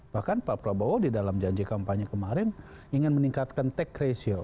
bahkan pak prabowo di dalam janji kampanye kemarin ingin meningkatkan tax ratio